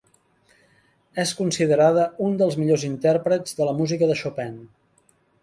És considerada un dels millors intèrprets de la música de Chopin.